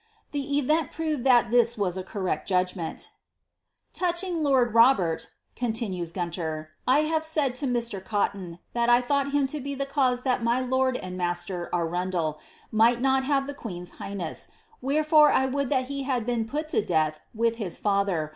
'' The event proved that this was a correct judgment "* Touching lord Robert/ continues Guntor, * I have said to Mr. G)Cton that I thought him to be the cause that my lord and mapter (Arundel) mi^t not ha\*e the queen's highness, vrherefore 1 would that he had been put to death with his Ikther.